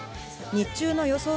日中の予想